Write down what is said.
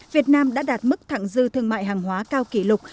việt nam đã đạt mức thẳng dư thương mại hàng hóa cao kỷ lục